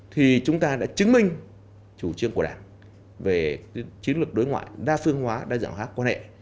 thì chúng ta đã chứng minh chủ trương của đảng về chiến lược đối ngoại đa phương hóa đa dạng hóa quan hệ